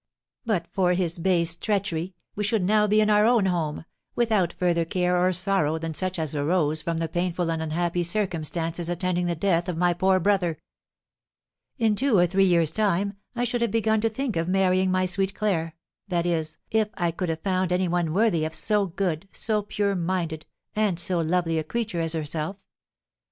But for his base treachery we should now be in our own home, without further care or sorrow than such as arose from the painful and unhappy circumstances attending the death of my poor brother. In two or three years' time I should have begun to think of marrying my sweet Claire, that is, if I could have found any one worthy of so good, so pure minded, and so lovely a creature as herself.